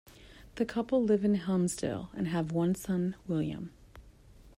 The couple live in Helmsdale and have one son, William.